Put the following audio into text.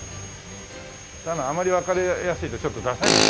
ただあまりわかりやすいとちょっとダサいですもんね。